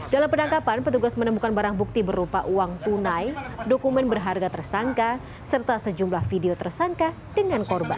dalam penangkapan petugas menemukan barang bukti berupa uang tunai dokumen berharga tersangka serta sejumlah video tersangka dengan korban